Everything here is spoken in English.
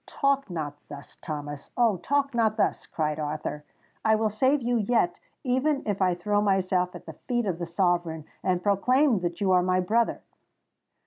"Talk not thus, Thomas—oh! talk not thus!" cried Arthur. "I will save you yet—even if I throw myself at the feet of my sovereign, and proclaim that you are my brother!"